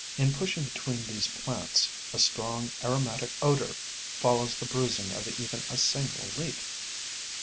In pushing between these plants, a strong aromatic odor follows the bruising of even a single leaf.